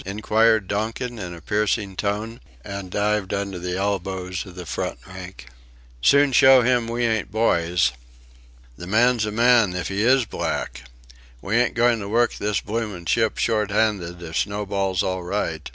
inquired Donkin in a piercing tone, and dived under the elbows of the front rank. "Soon show 'im we ain't boys..." "The man's a man if he is black." "We ain't goin' to work this bloomin' ship shorthanded if Snowball's all right..."